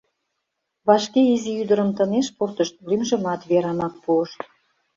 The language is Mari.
Вашке изи ӱдырым тынеш пуртышт, лӱмжымат Верамак пуышт.